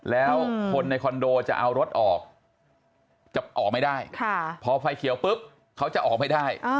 แล้วคนในคอนโดจะเอารถออกจะออกไม่ได้พอไฟเขียวปุ๊บเขาจะออกไม่ได้